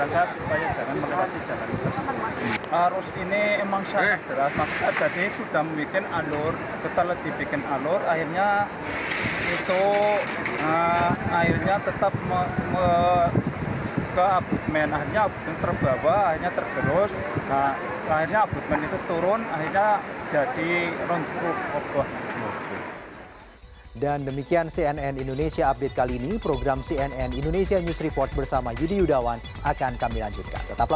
jembatan ini akan digunakan sebagai pengganti jembatan lama yang robo ini